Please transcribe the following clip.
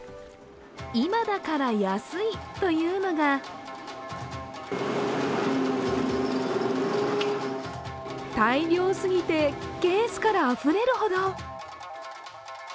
今だから安い！というのが大漁すぎてケースからあふれるほど。